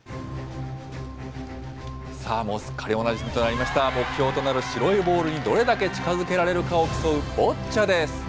さあ、もうすっかりおなじみとなりました、目標となる白いボールにどれだけ近づけられるかを競うボッチャです。